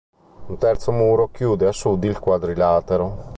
Un terzo muro chiude a sud il quadrilatero.